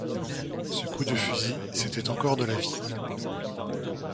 Ce coup de fusil, c’était encore de la vie.